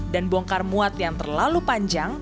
dan bongkar muat yang terlalu panjang